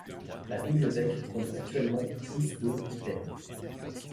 La bibliothèque compte actuellement plus de items.